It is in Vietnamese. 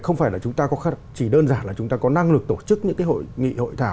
không phải là chúng ta chỉ đơn giản là chúng ta có năng lực tổ chức những cái hội nghị hội thảo